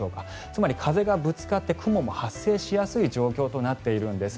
つまり風がぶつかって雲も発生しやすい状況となっているんです。